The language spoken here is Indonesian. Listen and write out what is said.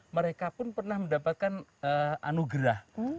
mereka pun pernah mendapatkan anugerah